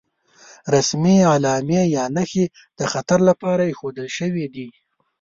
رسمي علامې یا نښې د خطر لپاره ايښودل شوې دي.